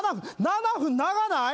７分長ない？